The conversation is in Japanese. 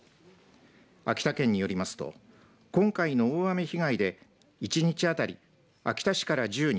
秋田県によりますと今回の大雨被害で１日当たり秋田市から１０人